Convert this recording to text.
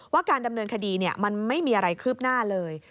การดำเนินคดีมันไม่มีอะไรคืบหน้าเลย